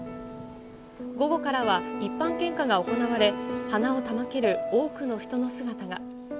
午後からは、一般献花が行われ、花を手向ける多くの人の姿が。